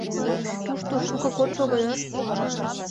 — Тушто шукак от шого дыр?